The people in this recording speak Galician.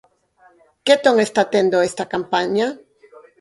Que ton está tendo esta campaña?